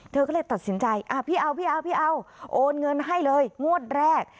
เธอก็เลยตัดสินใจพี่เอาโอนเงินให้เลยงวดแรก